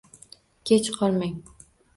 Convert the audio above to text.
Kech qolmang!